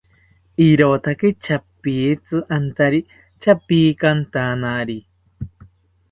Irotaki chapitzi antari chapikantanari